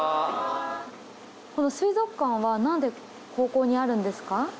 この水族館はなんで高校にあるんですか？